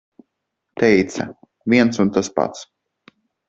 Teica - viens un tas pats.